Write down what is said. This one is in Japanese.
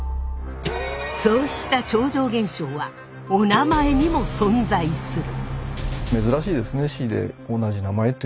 そうした超常現象はおなまえにも存在する。